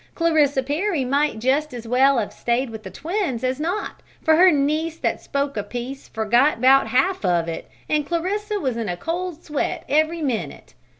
Clarissa Perry might jest as well have stayed with the twins as not, for her niece that spoke a piece forgot 'bout half of it an' Clarissa was in a cold sweat every minute.